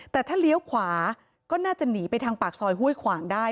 แต่ถ้าเลี้ยวขวาก็น่าจะหนีไปทางปากซอยห้วยขวางได้